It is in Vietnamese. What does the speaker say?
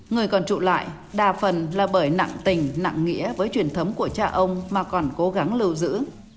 người còn trụ lại đa phần là bởi nặng tình nặng nghĩa với truyền thống của cha ông mà còn cố gắng lưu giữ